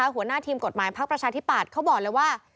หัวหน้าทีมกฎหมายพักประชาธิปัตย์เขาบอกเลยว่า